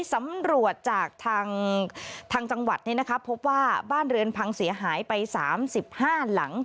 สำรวจจากทางทางจังหวัดนี่นะคะพบว่าบ้านเรือนพังเสียหายไปสามสิบห้าหลัง